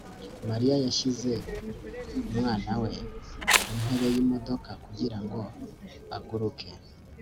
mariya yashyize umwana we ku ntebe yimodoka kugirango aguruke